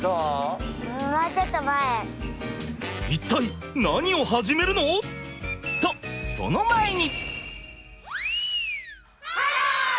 一体何を始めるの？とその前に！？